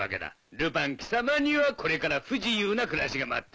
ルパン貴様にはこれから不自由な暮らしが待っておるぞ。